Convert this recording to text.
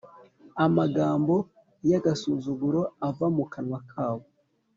amagambo y agasuzuguro ava mu kanwa kabo.